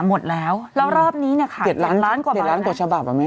หมดแล้วแล้วรอบนี้เนี่ยค่ะเจ็ดล้านล้านกว่าเจ็ดล้านกว่าฉบับอ่ะแม่